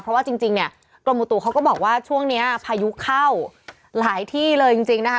เพราะว่าจริงเนี่ยกรมอุตุเขาก็บอกว่าช่วงนี้พายุเข้าหลายที่เลยจริงนะคะ